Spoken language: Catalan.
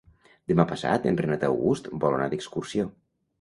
Demà passat en Renat August vol anar d'excursió.